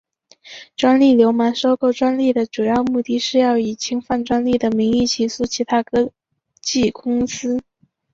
专利流氓收购专利的主要目的是要以侵犯专利的名义起诉其他科技公司。